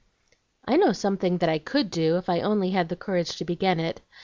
"I know something that I COULD do if I only had the courage to begin it.